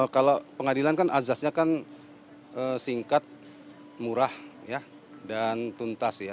kalau pengadilan kan azasnya kan singkat murah dan tuntas ya